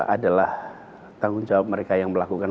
adalah tanggung jawab mereka yang melakukan